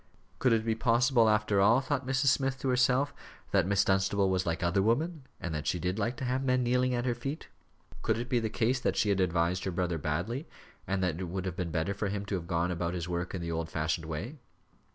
Could it be possible, after all, thought Mrs. Smith to herself, that Miss Dunstable was like other women, and that she did like to have men kneeling at her feet? Could it be the case that she had advised her brother badly, and that it would have been better for him to have gone about his work in the old fashioned way?